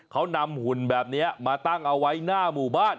เขานำหุ่นแบบนี้มาตั้งเอาไว้หน้าหมู่บ้าน